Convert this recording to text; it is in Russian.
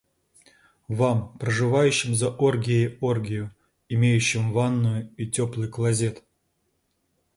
Вам, проживающим за оргией оргию, имеющим ванную и теплый клозет!